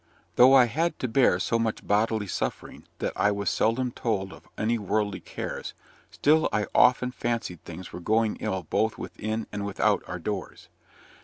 Though I had to bear so much bodily suffering that I was seldom told of any worldly cares, still I often fancied things were going ill both within and without our doors.